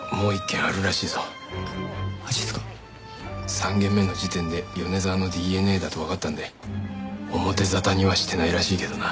３件目の時点で米沢のＤＮＡだとわかったんで表沙汰にはしてないらしいけどな。